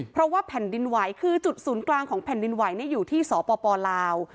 เพราะว่าแผ่นดินไหวคือจุดศูนย์กลางของแผ่นดินไหวอยู่ที่สปลาว